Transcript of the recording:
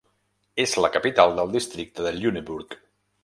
És la capital del districte de Lüneburg.